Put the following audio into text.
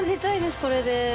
これで。